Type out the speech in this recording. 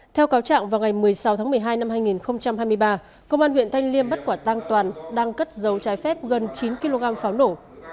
theo cáo trạng vào ngày một mươi sáu tháng một mươi hai năm hai nghìn hai mươi ba công an huyện thanh liêm bắt quả tăng toàn đang cất giấu trái phép gần chín kg pháo nổ